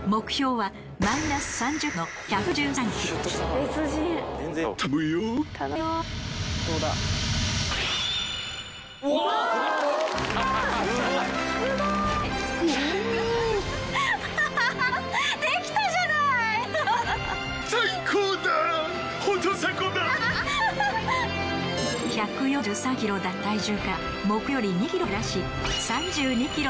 目標はマイナス３０キロの１１３キロ。